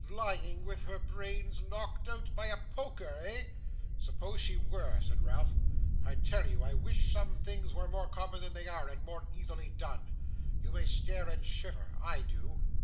Lying with her brains knocked out by a poker, eh?' 'Suppose she were,' said Ralph. 'I tell you, I wish such things were more common than they are, and more easily done. You may stare and shiver. I do!